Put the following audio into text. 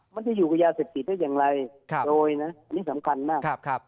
มันจะอยู่กับยาเสพติดได้อย่างไรโดยนะนี่สำคัญมาก